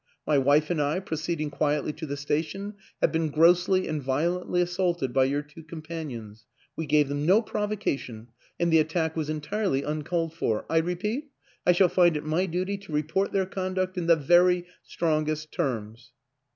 My wife and I, pro ceeding quietly to the station, have been grossly and violently assaulted by your two companions. We gave them no provocation, and the attack was entirely uncalled for. I repeat, I shall feel it my duty to report their conduct in the very strong est terms."